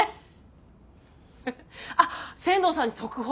あっ千堂さんに速報。